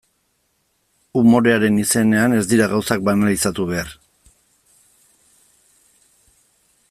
Umorearen izenean ez dira gauzak banalizatu behar.